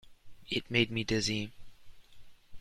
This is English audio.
It made me dizzy.